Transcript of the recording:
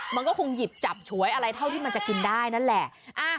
มันก็คงหยิบจับฉวยอะไรเท่าที่มันจะกินได้นั่นแหละ